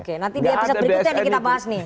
nanti di episode berikutnya kita bahas nih